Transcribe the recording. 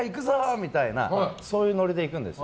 みたいなそういうノリでいくんです。